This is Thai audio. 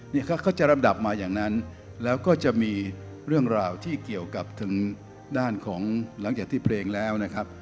นี่เขาจะลำดับมาอย่างนั้นแล้วก็จะมีเรื่องราวที่เกี่ยวกับถึงด้านของหลังจากที่เพลงแล้วนะครับ